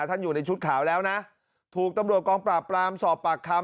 ท่านอยู่ในชุดขาวแล้วนะถูกตำรวจกองปราบปรามสอบปากคำ